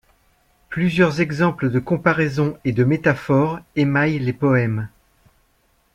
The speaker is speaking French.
Plusieurs exemples de comparaison et de métaphore émaillent les poèmes.